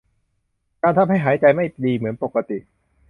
ทำให้การหายใจไม่ดีเหมือนปกติ